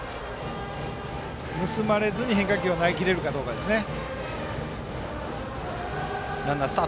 盗まれずに変化球を投げきれるかどうかですね。